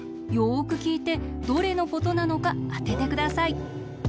よくきいてどれのことなのかあててください。